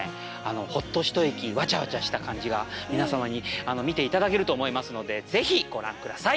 ホッと一息わちゃわちゃした感じが皆様に見て頂けると思いますので是非ご覧下さい！